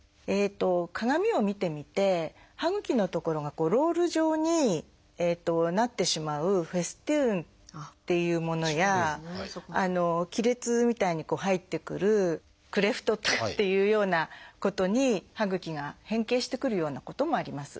鏡を見てみて歯ぐきの所がロール状になってしまう「フェストゥーン」っていうものや亀裂みたいに入ってくる「クレフト」っていうようなことに歯ぐきが変形してくるようなこともあります。